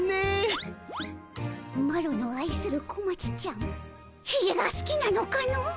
マロのあいする小町ちゃんひげがすきなのかの？